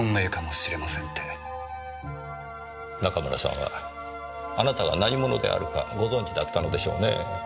中村さんはあなたが何者であるかご存じだったのでしょうねぇ。